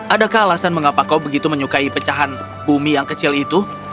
adakah alasan mengapa kau begitu menyukai pecahan bumi yang kecil itu